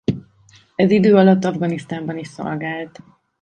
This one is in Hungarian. Ez idő alatt Afganisztánban is szolgált.